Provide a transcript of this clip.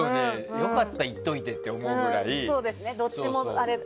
良かった行っておいてと思うくらい。